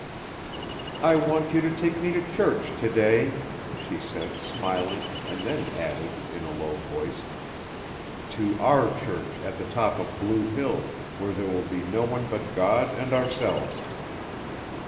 "I want you to take me to church to day," she said, smiling, and then added, in a low voice, "to our church on the top of Blue Hill, where there will be no one but God and ourselves."